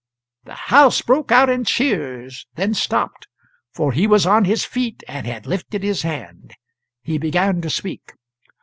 The house broke out in cheers then stopped; for he was on his feet, and had lifted his hand. He began to speak.